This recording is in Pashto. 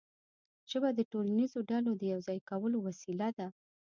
ژبه د ټولنیزو ډلو د یو ځای کولو وسیله ده.